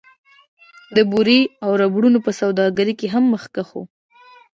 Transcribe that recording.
د بورې او ربړونو په سوداګرۍ کې هم مخکښ و